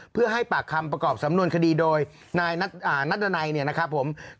เพื่อให้ปากคำประกอบสำนวนคดีโดยนายนัดดันัยเนี่ยนะครับผม